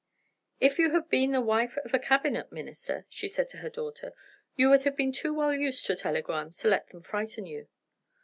"If you had been the wife of a Cabinet Minister," she said to her daughter, "you would have been too well used to telegrams to let them frighten you.